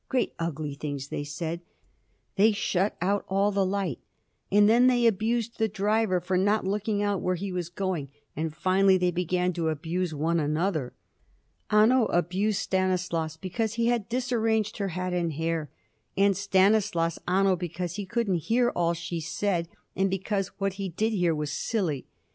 "Great ugly things," they said; "they shut out all the light." And then they abused the driver for not looking out where he was going, and finally they began to abuse one another. Anno abused Stanislaus, because he had disarranged her hat and hair, and Stanislaus, Anno, because he couldn't hear all she said, and because what he did hear was silly.